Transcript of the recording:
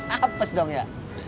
apes dong ya